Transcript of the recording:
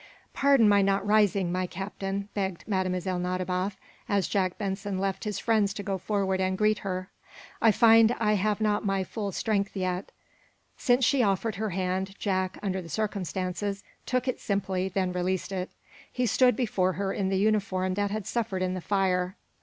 "Pardon my not rising, my Captain," begged Mlle. Nadiboff, as Jack Benson left his friends to go forward and greet her. "I find I have not my full strength yet." Since she offered her hand, Jack, under the circumstances, took it simply, then released it. He stood before her in the uniform that had suffered in the fire.